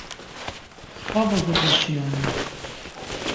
Mskva bozo goşiyoni.